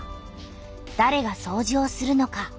だれがそうじをするのか？